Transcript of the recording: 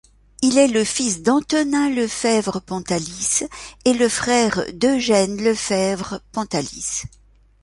Il est le fils d'Antonin Lefèvre-Pontalis et le frère d'Eugène Lefèvre-Pontalis.